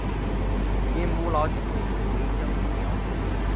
因母老请求回乡终养。